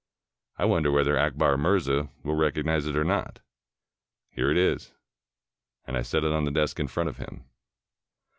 I wonder whether Akbar Mirza will recognize it or not. Here it is"; and I set it on the desk in front of him.